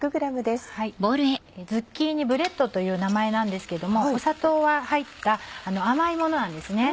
ズッキーニブレッドという名前なんですけども砂糖は入った甘いものなんですね。